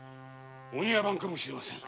お庭番かも知れません。